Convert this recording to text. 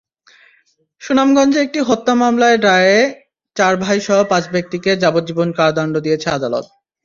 সুনামগঞ্জে একটি হত্যা মামলায় রায়ে চার ভাইসহ পাঁচ ব্যক্তিকে যাবজ্জীবন কারাদণ্ড দিয়েছেন আদালত।